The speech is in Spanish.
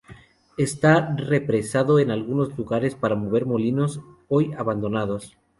Está represado en algunos lugares para mover molinos, hoy abandonados.